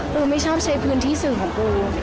ไม่ชอบใช้พื้นที่สื่อของกู